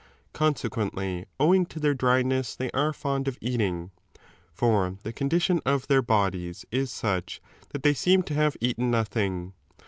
Consequently owing to their dryness they are fond of eating. For the condition of their bodies is such that they seem to have eaten nothing.